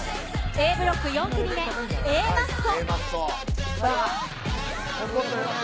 Ａブロック４組目、Ａマッソ。